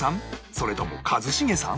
それとも一茂さん？